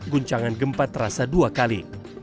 guncangan gempa terasa dua kali